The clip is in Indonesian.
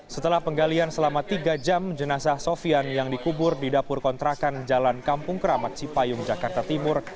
setelah penggalian selama tiga jam jenazah sofian yang dikubur di dapur kontrakan jalan kampung keramat cipayung jakarta timur